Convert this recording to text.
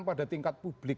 pada tingkat publik